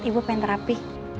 ibu pengen terapi